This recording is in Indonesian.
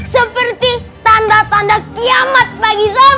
seperti tanda tanda kiamat bagi zola